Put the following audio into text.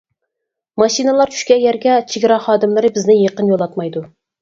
ماشىنىلار چۈشكەن يەرگە چېگرا خادىملىرى بىزنى يېقىن يولاتمايدۇ.